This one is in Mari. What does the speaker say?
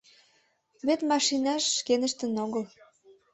Вет машинашт шкеныштын огыл.